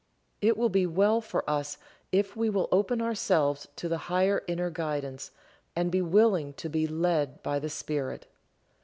It will be well for us if we will open ourselves to the higher inner guidance, and be willing to be "led by the Spirit."